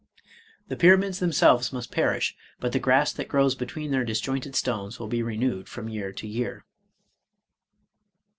The pyra mids themselves must perish, but the grass that grows between their disjointed stones will be renewed from year to year.